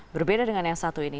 berbeda dengan yang satu ini